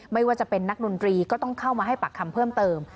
ไม่ว่าจะเป็นนักดนตรีก็ต้องเข้ามาให้ปากคำเพิ่มเติม